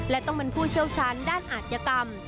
และต้องเป็นผู้เชี่ยวชาญด้านอาจยกรรม